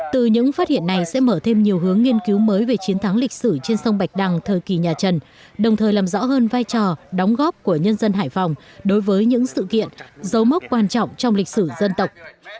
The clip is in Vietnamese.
từ những phát hiện này sẽ mở thêm nhiều hướng nghiên cứu mới về chiến thắng lịch sử trên sông bạch đằng thời kỳ nhà trần đồng thời làm rõ hơn vai trò đóng góp của nhân dân hải phòng đối với những sự kiện dấu mốc quan trọng trong lịch sử dân tộc